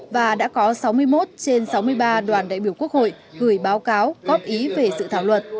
và đã có sáu mươi một trên sáu mươi ba đoàn đại biểu quốc hội gửi báo cáo góp ý về sự thảo luật